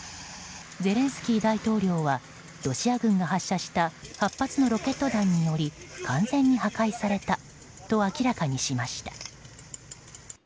ゼレンスキー大統領はロシア軍が発射した８発のロケット弾により完全に破壊されたと明らかにしました。